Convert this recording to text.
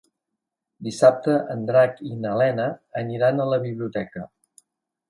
Dissabte en Drac i na Lena aniran a la biblioteca.